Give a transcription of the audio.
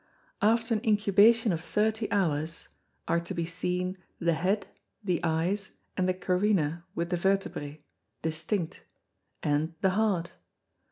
After an Incubation of thirty hours, are to be seen the Head, the Eyes, and the Carina with the Vertebræ, distinct, and the Heart.